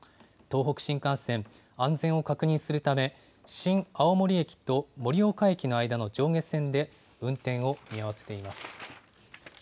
東北新幹線、安全を確認するため、新青森駅と盛岡駅の間の上下線で、運転を見合わせています。